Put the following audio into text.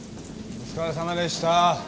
お疲れさまでした。